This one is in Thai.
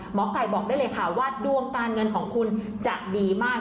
หมอไก่บอกได้เลยค่ะว่าดวงการเงินของคุณจะดีมาก